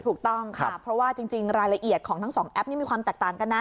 ถูกต้องค่ะเพราะว่าจริงรายละเอียดของทั้งสองแอปนี่มีความแตกต่างกันนะ